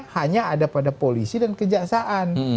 hanya ada pada polisi dan kejaksaan